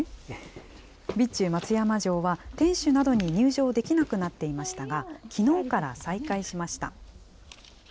備中松山城は、天守などに入場できなくなっていましたが、きのうから再開しました。